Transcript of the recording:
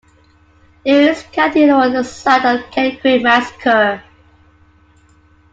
Lewis County was the site of the Cane Creek Massacre.